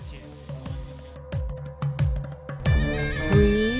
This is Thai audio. หวี